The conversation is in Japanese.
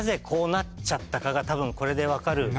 こうなっちゃったかが多分これで分かる